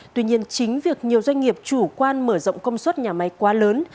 tuy nhiên chính việc nhiều doanh nghiệp chủ quan mở rộng công suất nhà máy quá lớn